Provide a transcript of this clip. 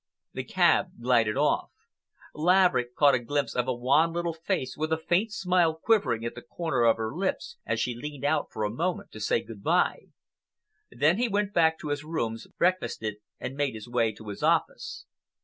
The cab glided off. Laverick caught a glimpse of a wan little face with a faint smile quivering at the corner of her lips as she leaned out for a moment to say good bye. Then he went back to his rooms, breakfasted, and made his way to his office.